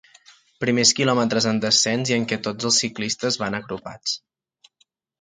Primers quilòmetres en descens i en què tots els ciclistes van agrupats.